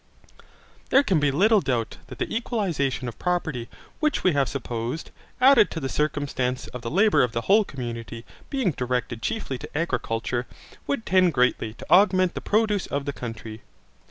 There can be little doubt that the equalization of property which we have supposed, added to the circumstance of the labour of the whole community being directed chiefly to agriculture, would tend greatly to augment the produce of the country.